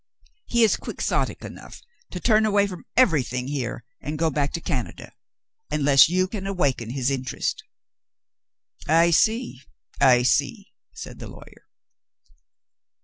He is quixotic enough to turn away from everything here and go back to Canada, unless you can awaken his interest." "I see, I see," said the lawyer.